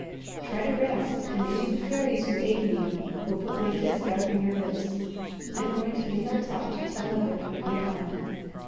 Try to rest, and maybe the fairies who aid me will put my kiss back on your lips. I am going to the hill top to tell mother and my God."